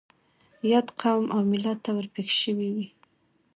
ياد قوم او ملت ته ور پېښ شوي وي.